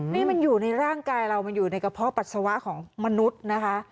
นี่มันอยู่ในร่างกายเรามันอยู่ในกระเพาะปัสสาวะของมนุษย์นะคะ